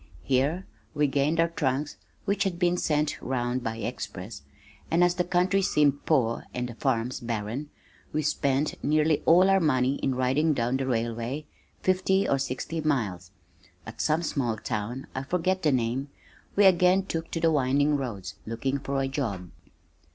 Here we gained our trunks (which had been sent round by express) and as the country seemed poor and the farms barren, we spent nearly all our money in riding down the railway fifty or sixty miles. At some small town (I forget the name), we again took to the winding roads, looking for a job.